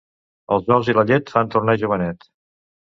Els ous i la llet fan tornar jovenet.